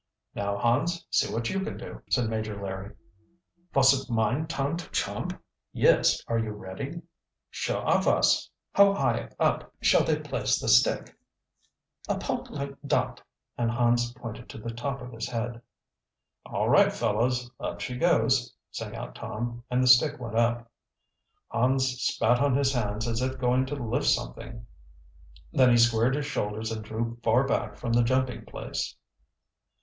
"Now, Hans, see what you can do," said Major Larry. "Vos it mine turn to chump?" "Yes. Are you ready?" "Sure I vos." "How high up shall they place the stick?" "Apout like dot," and Hans pointed to the top of his head. "All right, fellows, up she goes!" sang out Tom, and the stick went up. Hans spat on his hands as if going to lift something. Then he squared his shoulders and drew far back from the jumping place.